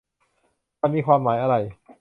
มันมีความหมายอะไร ?